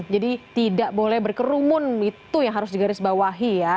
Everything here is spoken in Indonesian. jadi tidak boleh berkerumun itu yang harus digarisbawahi ya